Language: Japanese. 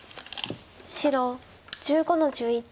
白１５の十一。